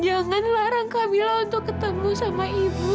jangan larang kamilah untuk ketemu sama ibu